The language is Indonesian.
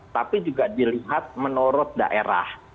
tapi juga dilihat menurut daerah